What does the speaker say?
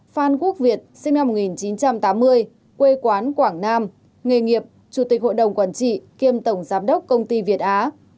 phan quốc việt sinh năm một nghìn chín trăm tám mươi quê quán quảng nam nghề nghiệp chủ tịch hội đồng quản trị kiêm tổng giám đốc công ty việt á